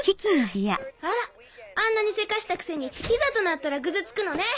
あらあんなにせかしたくせにいざとなったらグズつくのね。